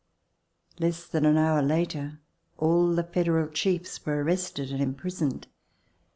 Less than an hour later all the federal chiefs were arrested and imprisoned.